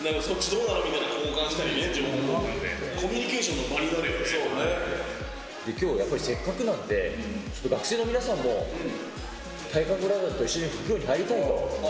なんかそっちどうなのみたいなの交換したりね、きょうやっぱり、せっかくなんでちょっと学生の皆さんも体格ブラザーズと一緒にお風呂に入りたいと。